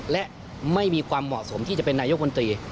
และไม่มีความเหมาะสมที่จะเป็นนายกมนตรี